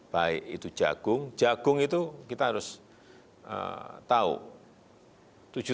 baik itu jagung jagung itu kita harus tahu